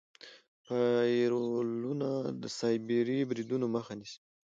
فایروالونه د سایبري بریدونو مخه نیسي.